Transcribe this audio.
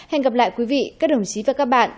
hẹn gặp lại quý vị các đồng chí và các bạn